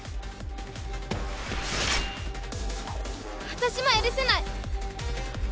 私も許せない！